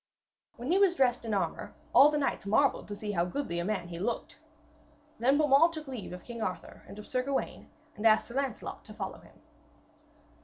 When he was dressed in armour, all the knights marvelled to see how goodly a man he looked. Then Beaumains took leave of King Arthur and of Sir Gawaine, and asked Sir Lancelot to follow him.